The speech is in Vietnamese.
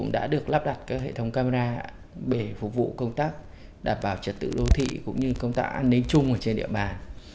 đã được lắp đặt các hệ thống camera để phục vụ công tác đảm bảo trật tự đô thị cũng như công tác an ninh chung trên địa bàn